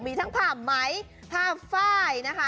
มีทั้งผ้าไม้ผ้าฝ้ายนะคะ